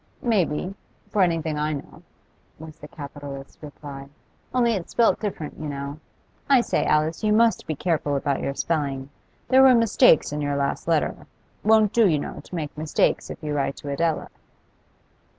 'May be, for anything I know,' was the capitalist's reply. 'Only it's spelt different, you know. I say, Alice, you must be careful about your spelling; there were mistakes in your last letter. Won't do, you know, to make mistakes if you write to Adela.